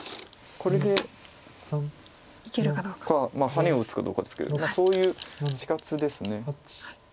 ハネを打つかどうかですけどそういう死活です。